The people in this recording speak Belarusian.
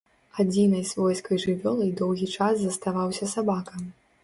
Адзінай свойскай жывёлай доўгі час заставаўся сабака.